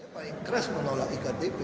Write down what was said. paling keras menolak iktp